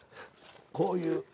こういう。